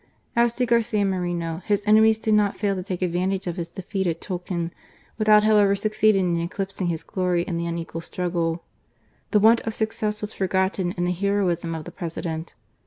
As to Garcia Moreno, his enemies did not fail to take advantage of his defeat at Tulcan, without however succeeding in eclipsing his glory in the unequal struggle : the want of success was forgotten in the heroism of the President.